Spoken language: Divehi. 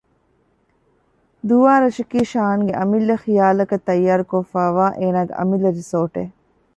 ދުވާރަށަކީ ޝާންގެ އަމިއްލަ ޚިޔާލަކަށް ތައްޔާރުކޮށްފައިވާ އޭނާގެ އަމިއްލަ ރިސޯރޓެއް